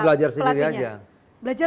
belajar sendiri aja